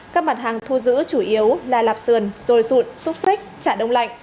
các mặt hàng thu giữ chủ yếu là lạp sườn dồi dụn xúc xích chả đông lạnh